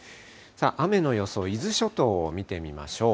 雨の予想、伊豆諸島を見てみましょう。